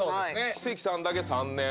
奇跡さんだけ３年。